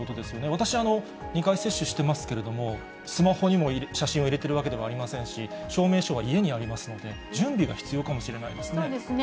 私、２回接種していますけれども、スマホにも写真を入れてるわけでもありませんし、証明書は家にありますので、準備が必要かもしれないですね。